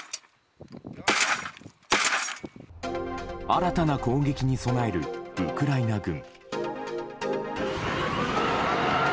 新たな攻撃に備えるウクライナ軍。